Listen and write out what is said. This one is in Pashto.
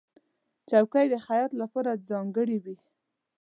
چوکۍ د خیاط لپاره ځانګړې وي.